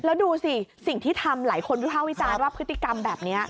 แล้วดูสิสิ่งที่ทำหลายคนวิภาควิจารณ์ว่าพฤติกรรมแบบนี้